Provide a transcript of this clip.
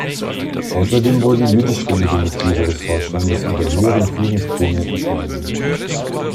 Außerdem wurden jüdischstämmige Mitglieder des Vorstandes und der höheren Führungsgremien abberufen.